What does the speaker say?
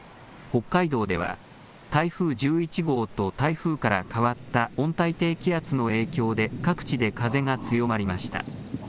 北海道では、台風１１号と台風から変わった温帯低気圧の影響で、各地で風が強まりました。